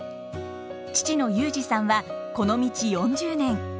父の祐自さんはこの道４０年。